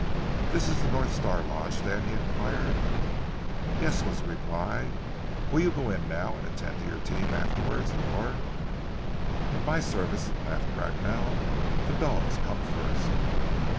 "This is the North Star Lodge, then?" he inquired. "Yes!" was the reply. "Will you go in now and attend to your team afterwards, or " "In my service," laughed Bracknell, "the dogs come first."